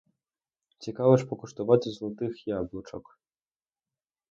Цікаво ж покуштувати золотих яблучок.